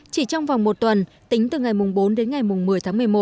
chỉ trong vòng một tuần tính từ ngày bốn đến ngày một mươi tháng một mươi một